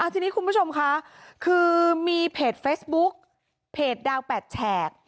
ทีนี้คุณผู้ชมค่ะคือมีเพจเฟซบุ๊กเพจดาว๘แฉก